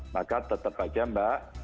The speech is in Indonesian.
maka tetap aja mbak